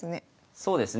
そうですね。